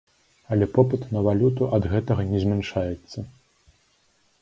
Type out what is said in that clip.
Але попыт на валюту ад гэтага не змяншаецца.